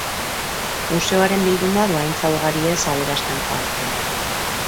Museoaren bilduma, dohaintza ugariez aberasten joan zen.